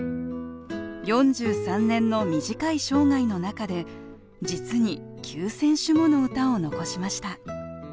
４３年の短い生涯の中で実に９，０００首もの歌を残しました